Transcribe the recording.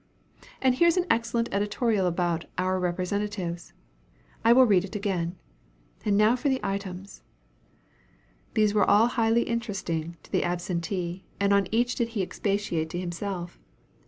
"And here is an excellent editorial about 'Our Representatives' I will read it again, and now for the ITEMS." These were all highly interesting to the absentee, and on each did he expatiate to himself.